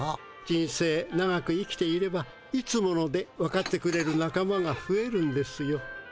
人生長く生きていれば「いつもの」でわかってくれる仲間がふえるんですよ。